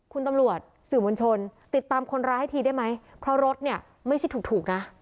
คุณตำรวจสื่อมวลชนติดตามคนร้ายให้ทีได้ไหมเพราะรถเนี่ยไม่ใช่ถูกนะ